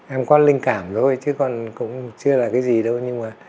em có linh cảm thôi chứ còn cũng chưa là cái gì đâu nhưng mà